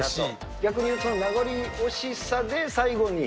逆に言うと名残惜しさで、最後に。